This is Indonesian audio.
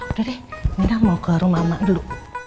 udah deh minah mau ke rumah emak dulu